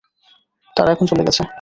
তারা এখন চলে গেছে।